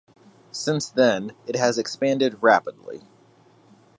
Since then, it has expanded rapidly.